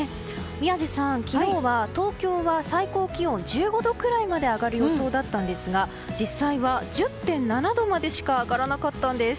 宮司さん、昨日は東京は最高気温が１５度くらいまで上がる予想だったんですが実際は１０．７度までしか上がらなかったんです。